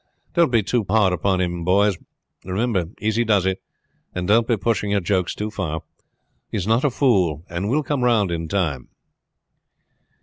Don't be too hard upon him, you boys. Remember easy does it, and don't be pushing your jokes too far. He is not a fool and will come round in time."